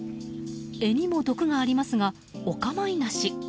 柄にも毒がありますがお構いなし。